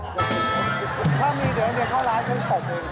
ถ้ามีเด็กนักเรียนเข้าร้านฉันตบกัน